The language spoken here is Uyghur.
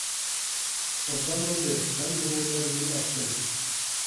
-ئوبدان بولدى، مەن بۇ مۇندەرىجىنى ئاچتىم.